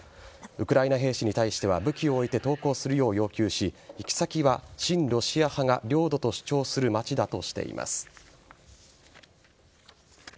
ウクライナ兵士に対しては武器を置いて投降するよう要求し行き先は親ロシア派が領土と主張する街だとしています。